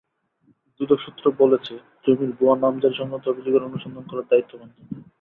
দুদক সূত্র বলেছে, জমির ভুয়া নামজারি-সংক্রান্ত অভিযোগের অনুসন্ধান করার দায়িত্ব পান তিনি।